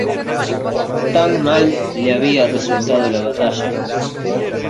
Tan mal le había resultado la batalla.